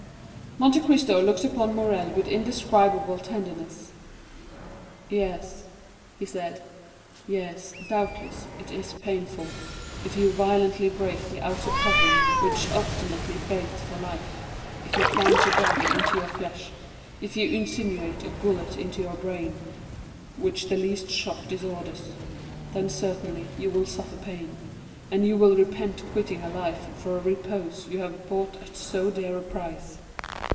'" Monte Cristo looked upon Morrel with indescribable tenderness. "Yes," he said, "yes, doubtless it is painful, if you violently break the outer covering which obstinately begs for life. If you plunge a dagger into your flesh, if you insinuate a bullet into your brain, which the least shock disorders,—then certainly, you will suffer pain, and you will repent quitting a life for a repose you have bought at so dear a price."